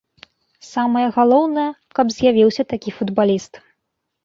Самае галоўнае, каб з'явіўся такі футбаліст.